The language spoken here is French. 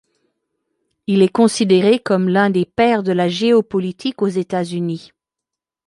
Il est considéré comme l'un des pères de la géopolitique aux États-Unis.